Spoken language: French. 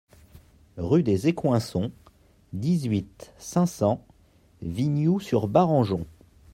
Rue des Écoinçons, dix-huit, cinq cents Vignoux-sur-Barangeon